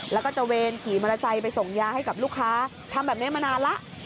แล้วก็เจอเวรขี่มารสัยไปส่งยาให้กับลูกค้าทำแบบเนี้ยมานานละ